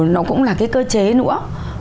nó cũng là cái cơ chế nữa